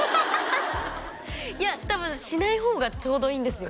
いや多分しない方がちょうどいいんですよ